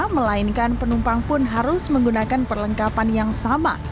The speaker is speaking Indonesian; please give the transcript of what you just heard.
melainkan penumpang pun harus menggunakan perlengkapan yang sama